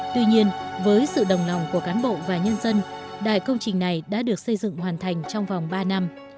tuy nhiên với sự đồng lòng của cán bộ và nhân dân đại công trình này đã được xây dựng hoàn thành trong vòng ba năm